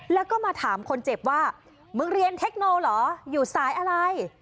แล้วก็มาถามคนเจ็บว่ามึงเรียนเทคโนเหรออยู่สายอะไร